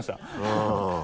うん。